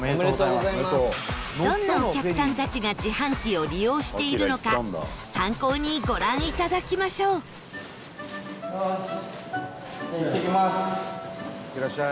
どんなお客さんたちが自販機を利用しているのか参考に、ご覧いただきましょう伊達：いってらっしゃい！